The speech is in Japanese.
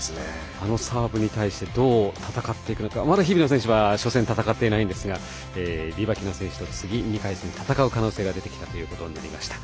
あのサーブに対してどう戦っていくのかまだ日比野選手は初戦を戦っていないんですがリバキナ選手と次２回戦戦う可能性が出てきたということになりました。